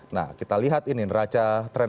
nah kita lihat ini neraca trend